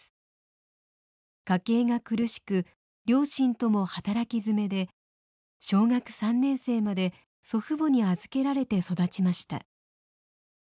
家計が苦しく両親とも働きづめで小学３年生まで祖父母に預けられて育ちました。